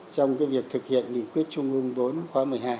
trong cái việc thực hiện nghị quyết chung ương bốn khóa một mươi hai